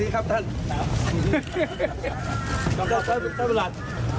ขอเข้าประตูนี้ครับท่าน